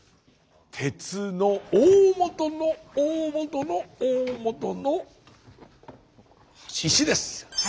鉄の大本の大本の大本の石です！